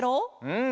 うん。